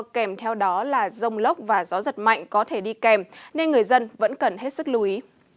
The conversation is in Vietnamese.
kèm theo đó là rông lốc và gió giật mạnh có thể đi kèm nên người dân vẫn cần hết sức lưu ý